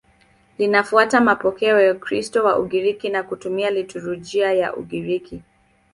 Linafuata mapokeo ya Ukristo wa Ugiriki na kutumia liturujia ya Ugiriki.